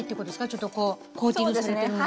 ちょっとこうコーティングがされてるものって。